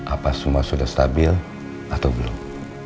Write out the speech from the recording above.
apa semua sudah stabil atau belum